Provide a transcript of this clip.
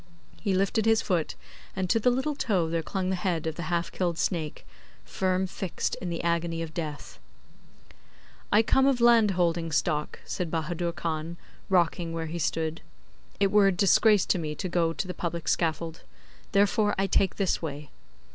He lifted his foot, and to the little toe there clung the head of the half killed snake, firm fixed in the agony of death. 'I come of land holding stock,' said Bahadur Khan, rocking where he stood. 'It were a disgrace to me to go to the public scaffold: therefore I take this way.